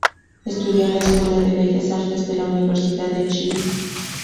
Estudió en la Escuela de Bellas Artes de la Universidad de Chile.